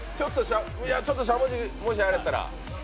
ちょっとしゃもじ、もしあれやったら。